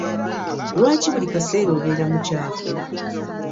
Lwaki buli kaseera obeera mukyafu?